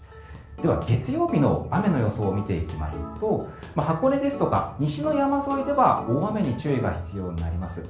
では、月曜日の雨の予想を見ていきますと箱根ですとか西の山沿いでは大雨に注意が必要になります。